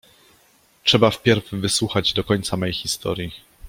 Trzeba wpierw wysłuchać do końca mej historii.